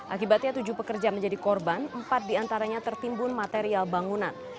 akibatnya tujuh pekerja menjadi korban empat diantaranya tertimbun material bangunan